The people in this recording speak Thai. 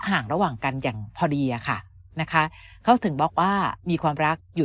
ห่างระหว่างกันอย่างพอดีอะค่ะนะคะเขาถึงบอกว่ามีความรักอยู่